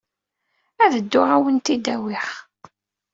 Ad dduɣ ad awen-t-id-awiɣ.